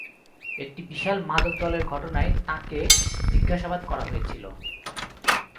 একটি বিশাল মাদক দলের ঘটনায় তাঁকে জিজ্ঞাসাবাদ করা হয়েছিল।